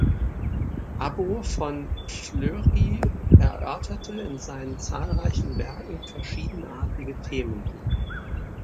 Abbo von Fleury erörterte in seinen zahlreichen Werken verschiedenartige Themen.